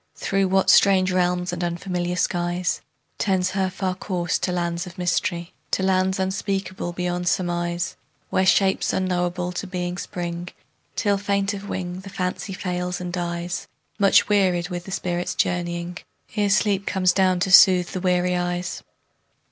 Through what strange realms and unfamiliar skies. Tends her far course to lands of mystery? To lands unspeakable beyond surmise, Where shapes unknowable to being spring, Till, faint of wing, the Fancy fails and dies Much wearied with the spirit's journeying, Ere sleep comes down to soothe the weary eyes.